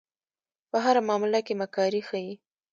په هره معامله کې مکاري ښيي.